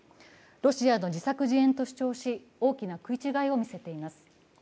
ロシアの自作自演と主張し、大きな食い違いを見せています。